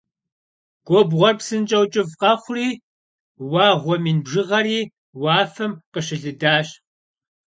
Gubğuer psınş'eu ç'ıf' khexhuri, vağue min bjığeri vuafem khışılıdaş